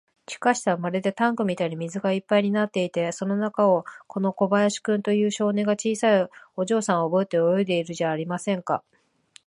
地下室はまるでタンクみたいに水がいっぱいになっていて、その中を、この小林君という少年が、小さいお嬢さんをおぶって泳いでいるじゃありませんか。